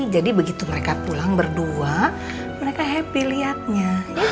jadi begitu mereka pulang berdua mereka happy liatnya